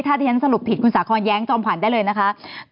ถ้าฉันสรุปผิดคุณสาครแย้งจอมผ่านได้เลยนะคะ